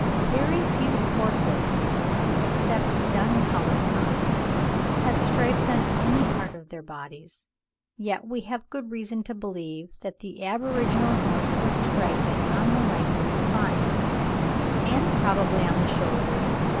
Very few horses, except dun coloured kinds, have stripes on any part of their bodies, yet we have good reason to believe that the aboriginal horse was striped on the legs and spine, and probably on the shoulders.